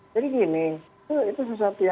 jadi gini itu sesuatu yang berbeda